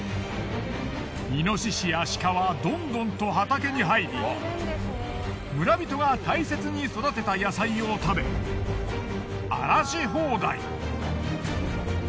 猪や鹿はどんどんと畑に入り村人が大切に育てた野菜を食べ荒らし放題。